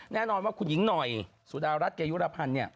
แน่นอนว่าคุณหญิงหน่อยสุดารัฐเกยุรพันธ์เนี่ย